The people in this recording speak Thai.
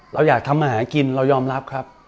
เราอยากทำอาหารกินเรายอมรับครับ